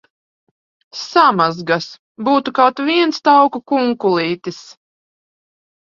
Samazgas! Būtu kaut viens tauku kunkulītis!